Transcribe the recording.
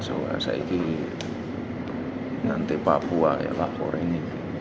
sebelum ini nanti papua ya pak ini